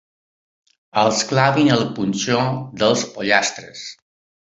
Els clavin el punxó dels pollastres.